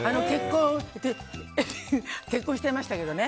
結婚しちゃいましたけどね。